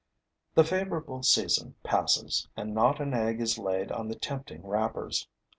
The favorable season passes and not an egg is laid on the tempting wrappers.